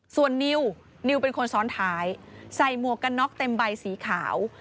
ส่วนนิวนิวเป็นคนซ้อนท้ายใส่หมวกกันน็อกเต็มใบสีขาว